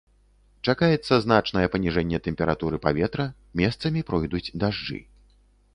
Чакаецца значнае паніжэнне тэмпературы паветра, месцамі пройдуць дажджы.